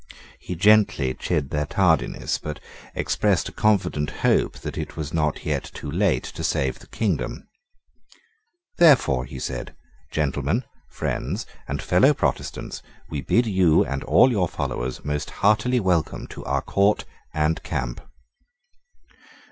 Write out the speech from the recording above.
He gently chid their tardiness, but expressed a confident hope that it was not yet too late to save the kingdom. "Therefore," he said, "gentlemen, friends, and fellow Protestants, we bid you and all your followers most heartily welcome to our court and camp."